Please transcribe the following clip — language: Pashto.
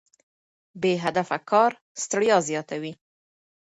بې هدفه کار ستړیا زیاتوي.